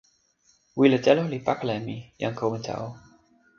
wile telo li pakala e mi, jan Kowinta o!